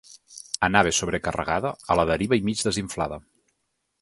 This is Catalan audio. Anava sobrecarregada, a la deriva i mig desinflada.